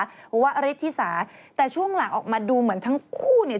หรือว่าอริธิสาแต่ช่วงหลังออกมาดูเหมือนทั้งคู่เนี่ย